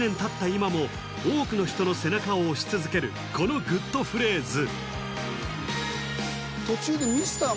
今も多くの人の背中を押し続けるこのグッとフレーズ